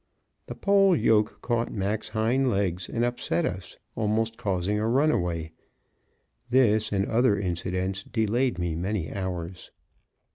The pole yoke caught Mac's hind legs and upset us, almost causing a runaway. This and other incidents delayed me many hours.